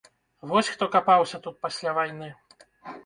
Вось хто капаўся тут пасля вайны!